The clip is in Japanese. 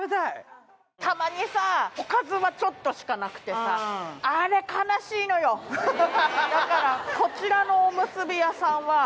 たまにさおかずがちょっとしかなくてさだからこちらのおむすび屋さんはあ